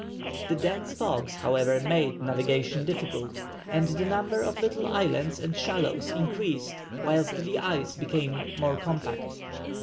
The dense fogs, however, made navigation difficult, and the number of little islands and shallows increased whilst the ice became more compact.